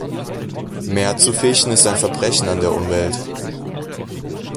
Mehr zu fischen ist ein Verbrechen an der Umwelt.